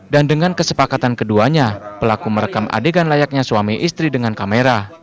dan dengan kesepakatan keduanya pelaku merekam adegan layaknya suami istri dengan anaknya